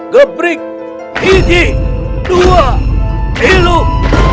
gebrik hijik dua hilum